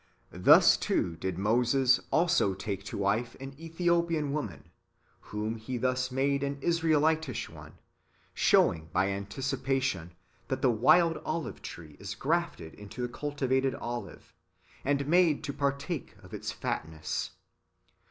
Thus, too, did Moses also take to wdfe an Ethiopian woman, whom he thus made an Israelitish one, showing by anticipation that the wild olive tree is grafted into the culti vated olive, and made to partake of its fatness.